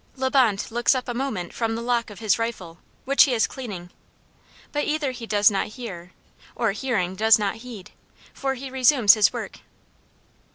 La Bonte looks up a moment from the lock of his rifle, which he is cleaning, but either does not hear, or, hearing, does not heed, for he resumes his work.